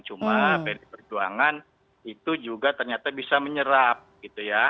cuma pdi perjuangan itu juga ternyata bisa menyerap gitu ya